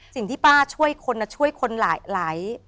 สิ่งที่ป้าช่วยคนช่วยคนหลาย